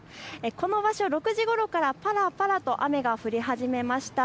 この場所６時ごろからぱらぱらと雨が降り始めました。